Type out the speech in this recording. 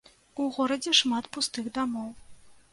У горадзе шмат пустых дамоў.